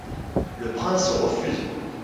Le prince refuse.